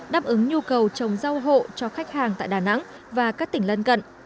đáp ứng nhu cầu trồng rau hộ cho khách hàng tại đà nẵng và các tỉnh lân cận